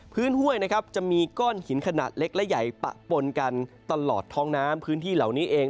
ห้วยนะครับจะมีก้อนหินขนาดเล็กและใหญ่ปะปนกันตลอดท้องน้ำพื้นที่เหล่านี้เอง